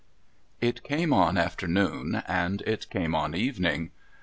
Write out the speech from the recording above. It came on afternoon and it came on evening.